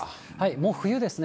もう冬ですね。